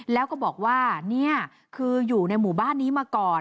แล้วก็บอกว่านี่คืออยู่ในหมู่บ้านนี้มาก่อน